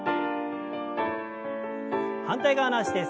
反対側の脚です。